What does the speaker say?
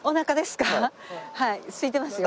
はいすいてますよ。